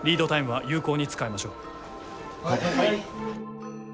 はい。